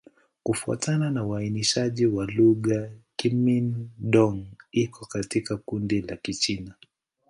Kufuatana na uainishaji wa lugha, Kimin-Dong iko katika kundi la Kichina.